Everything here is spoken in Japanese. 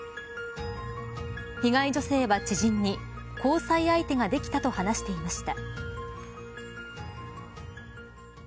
被害女性は知人に交際相手ができたと話していました。